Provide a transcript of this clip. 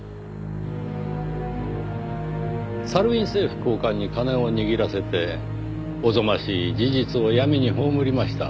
サルウィン政府高官に金を握らせておぞましい事実を闇に葬りました。